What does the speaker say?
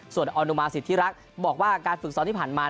ส่วนอนุมาสิทธิรักษ์บอกว่าการฝึกซ้อมที่ผ่านมา